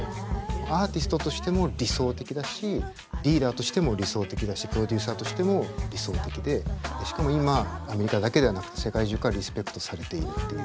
アーティストとしても理想的だしリーダーとしても理想的だしプロデューサーとしても理想的でしかも今アメリカだけではなくて世界中からリスペクトされているっていう。